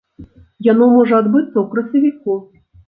Яно можа адбыцца ў красавіку.